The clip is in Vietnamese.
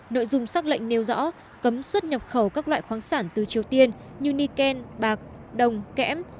nội dung xác lệnh nêu rõ cấm xuất nhập khẩu các loại khoáng sản từ triều tiên như nikken bạc đồng kẽm